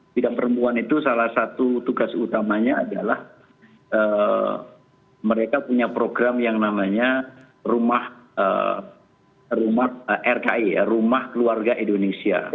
bidang perempuan itu salah satu tugas utamanya adalah mereka punya program yang namanya rumah rki ya rumah keluarga indonesia